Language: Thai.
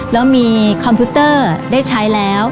แล้วมีคอมพิวเตอร์ได้ใช้แล้ว